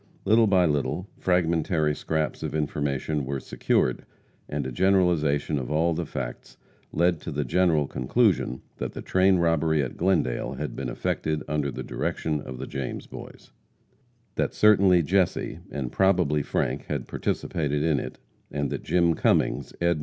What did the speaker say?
Little by little, fragmentary scraps of information were secured, and a generalization of all the facts led to the general conclusion that the train robbery at Glendale had been effected under the direction of the James Boys; that certainly Jesse, and probably Frank, had participated in it, and that Jim Cummings, Ed.